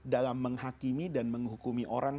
dalam menghakimi dan menghukumi orang